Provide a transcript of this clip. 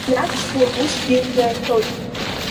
Инавсуа усгьы нарҳәоит.